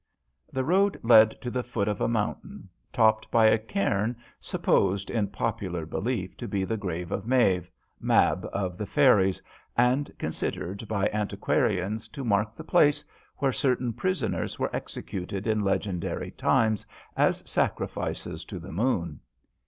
The road led to the foot of a mountain, topped by a cairn sup posed in popular belief to be the grave of Maeve, Mab of the fairies, and considered by anti quarians to mark the place where certain prisoners were executed in legendary times as sacrifices to the moon.